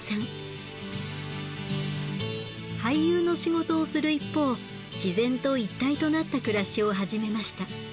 俳優の仕事をする一方自然と一体となった暮らしを始めました。